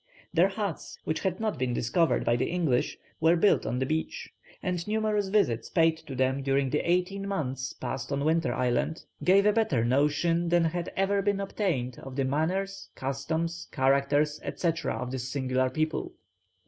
Their huts, which had not been discovered by the English, were built on the beach; and numerous visits paid to them during the eighteen months passed on Winter Island gave a better notion than had ever before been obtained of the manners, customs, character, &c., of this singular people.